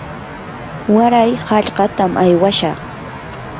waray hallqatam aywashaq.